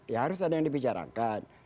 ya harus ada yang dibicarakan